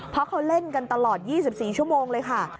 เพราะเขาเล่นกันตลอด๒๔ชั่วโมงเลยค่ะ